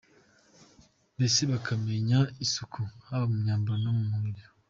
Mbese bakamenya isuku haba ku myambaro no ku mubiri.